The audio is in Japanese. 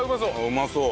うまそう。